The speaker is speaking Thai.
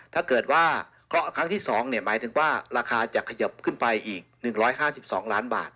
ถ้าเกิดว่าเคราะห์ครั้งที่๒หมายถึงว่าราคาจะขยิบขึ้นไปอีก๑๕๒ล้านบาท